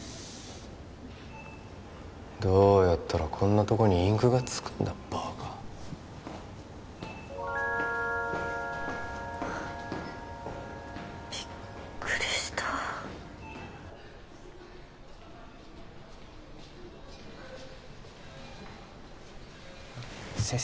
どうやったらこんなとこにインクがつくんだバカびっくりした先生